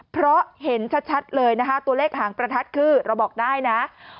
เพราะเห็นชัดเลยนะคะตัวเลขหางประทัดคือเราบอกได้นะ